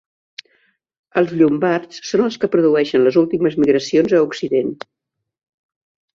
Els llombards són els que produeixen les últimes migracions a Occident.